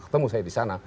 ketemu saya di sana